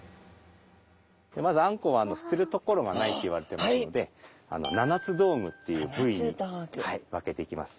まずあんこうは捨てる所がないといわれてますので七つ道具っていう部位に分けていきます。